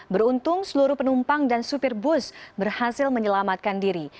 beruntung seluruh penumpang dan supir bus berhasil menyelamatkan diri